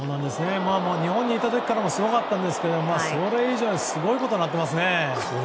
日本にいた時からすごかったですがそれ以上にすごいことになっていますね。